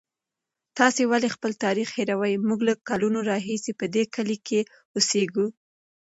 تاسې ولې خپل تاریخ هېروئ؟ موږ له کلونو راهیسې په دې کلي کې اوسېږو.